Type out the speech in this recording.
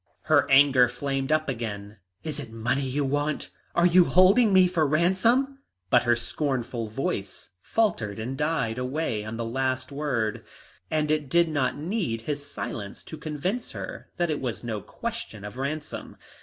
Her anger flamed up again. "Is it money that you want? Are you holding me for ransom?" But her scornful voice faltered and died away on the last word, and it did not need his silence to convince her that it was no question of ransom.